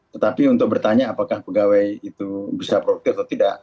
tetapi untuk bertanya apakah pegawai itu bisa produktif atau tidak